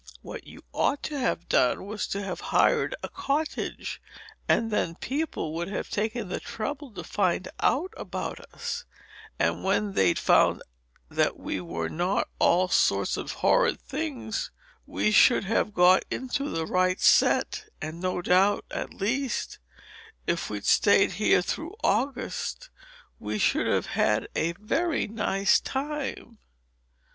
What you ought to have done was to have hired a cottage, and then people would have taken the trouble to find out about us; and when they'd found that we were not all sorts of horrid things we should have got into the right set, and no doubt, at least if we'd stayed here through August, we should have had a very nice time.